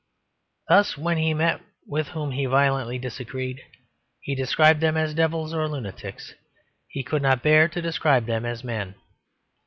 Thus, when he met men with whom he violently disagreed, he described them as devils or lunatics; he could not bear to describe them as men.